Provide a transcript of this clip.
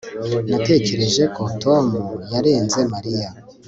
natekereje ko tom yarenze mariya